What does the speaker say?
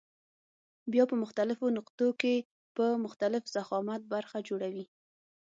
بیا په مختلفو نقطو کې په مختلف ضخامت برخه جوړوي.